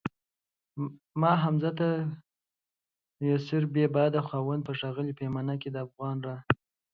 ما حمزه ته يسربی باده خاونده په ښاغلي پیمانه کي دافغان را